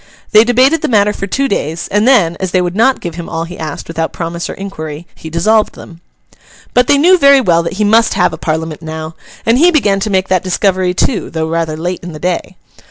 They debated the matter for two days; and then, as they would not give him all he asked without promise or inquiry, he dissolved them. But they knew very well that he must have a Parliament now; and he began to make that discovery too, though rather late in the day.